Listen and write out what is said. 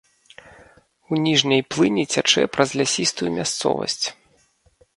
У ніжняй плыні цячэ праз лясістую мясцовасць.